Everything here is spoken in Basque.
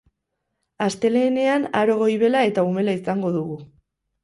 Astelehenean aro goibela eta umela izango dugu.